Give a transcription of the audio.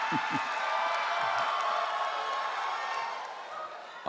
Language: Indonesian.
saya juga dituduh pak